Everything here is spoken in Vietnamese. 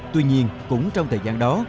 tuy nhiên cũng trong thời gian đó